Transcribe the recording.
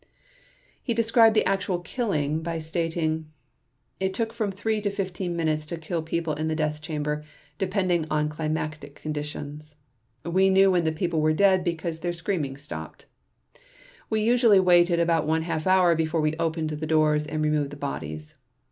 He described the actual killing by stating: "It took from three to fifteen minutes to kill the people in the death chamber, depending upon climatic conditions. We knew when the people were dead because their screaming stopped. We usually waited about one half hour before we opened the doors and removed the bodies.